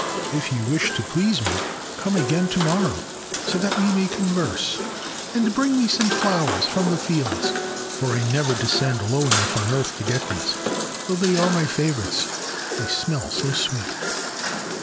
If you wish to please me, come again to morrow, so that we may converse ; and bring me some flowers from the fields, for I never descend low enough on earth to get these, though they are my favourites — they smell so sweet.